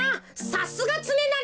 さすがつねなり。